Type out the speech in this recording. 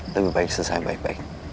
lebih baik selesai baik baik